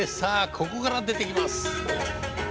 ここから出てきます。